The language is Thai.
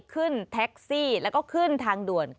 ขึ้นแท็กซี่แล้วก็ขึ้นทางด่วน